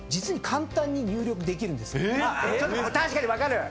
確かに分かる！